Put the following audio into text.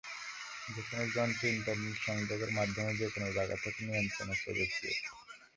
যেকোনো যন্ত্রে ইন্টারনেট সংযোগের মাধ্যমে যেকোনো জায়গা থেকে নিয়ন্ত্রণের প্রযুক্তি এটি।